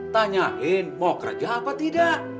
tanyain mau ke raja apa tidak